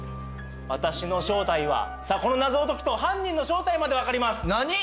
「私の正体は」さあこの謎を解くと犯人の正体までわかります何？